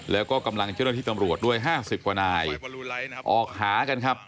แล้วก็กำลังเจ้าหน้าที่ตำรวจด้วย๕๐กว่านายออกหากันครับ